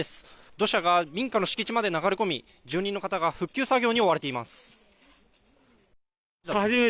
土砂が民家の敷地まで流れ込み、住人の方が復旧作業に追われています。